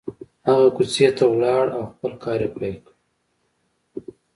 هغه کوڅې ته ولاړ او خپل کار يې پيل کړ.